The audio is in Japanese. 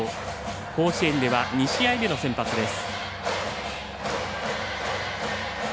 甲子園では２試合目の先発です。